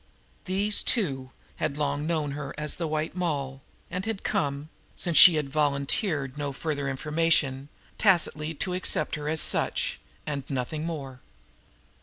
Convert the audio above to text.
These, too, had long known her as the White Moll, and had come, since she had volunteered no further information, tacitly to accept her as such, and nothing more.